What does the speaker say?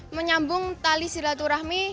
menyambung tali silaturahmi